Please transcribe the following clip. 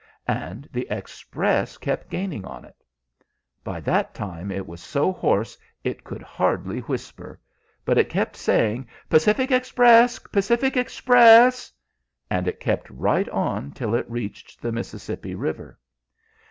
And the Express kept gaining on it. By that time it was so hoarse it could hardly whisper, but it kept saying, 'Pacific Express! Pacific Express!' and it kept right on till it reached the Mississippi River.